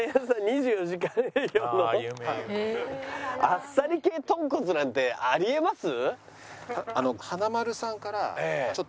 あっさり系とんこつなんてありえます？